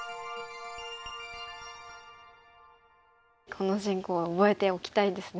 この進行は覚えておきたいですね。